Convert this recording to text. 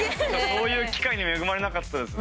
そういう機会に恵まれなかったです。